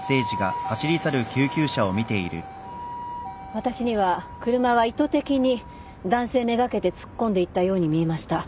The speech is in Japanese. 私には車は意図的に男性目がけて突っ込んでいったように見えました。